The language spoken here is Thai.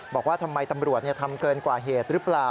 บอกว่าทำไมตำรวจทำเกินกว่าเหตุหรือเปล่า